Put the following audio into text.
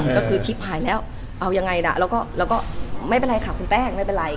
ก็คือชิปหายแล้วเอายังไงล่ะแล้วก็ไม่เป็นไรค่ะคุณแป้งไม่เป็นไร